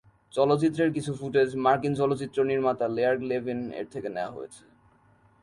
চলচ্চিত্রের কিছু ফুটেজ মার্কিন চলচ্চিত্র নির্মাতা লেয়ার লেভিন-এর থেকে নেয়া হয়েছে।